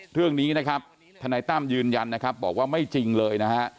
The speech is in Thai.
เรื่องนี้นะครับทนายตั้มยืนยันนะครับบอกว่าไม่จริงเลยนะฮะ